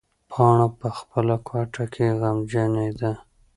پاڼه په خپله کوټه کې غمجنېده.